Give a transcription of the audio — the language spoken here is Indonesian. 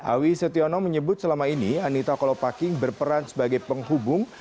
awisetyono menyebut selama ini anita kolopaking berperan sebagai penghubung